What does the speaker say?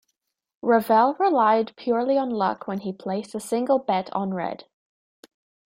Revell relied purely on luck when he placed a single bet on red.